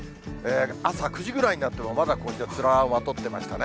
朝９時ぐらいになってもまだこうしてつららをまとってましたね。